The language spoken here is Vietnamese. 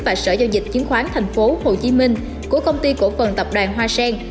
và sở giao dịch chứng khoán tp hcm của công ty cổ phần tập đoàn hoa sen